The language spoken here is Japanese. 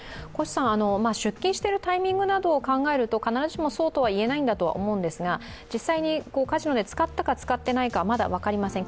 出金しているタイミングなどを考えると、必ずしもそうとは言えないと思うんですが実際にカジノで使ったか使っていないか、まだ分かりません。